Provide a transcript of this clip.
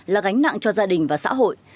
là gánh nặng cho gia đình và xã hội